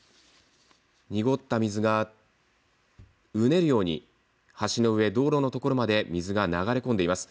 濁った水がうねるように橋の上、道路の所まで水が流れ込んでいます。